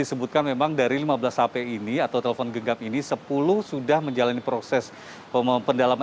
selamat pagi reza